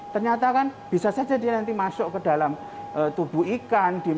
ternyata kan bisa saja dia nanti masuk ke dalam tubuh ikan